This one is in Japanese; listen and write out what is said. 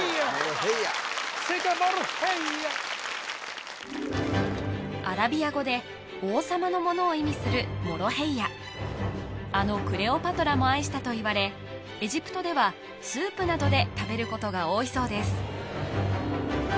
正解はモロヘイヤアラビア語で「王様のもの」を意味するモロヘイヤあのクレオパトラも愛したといわれエジプトではスープなどで食べることが多いそうです